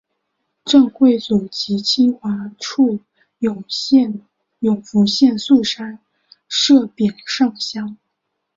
郑橞祖籍清华处永福县槊山社忭上乡。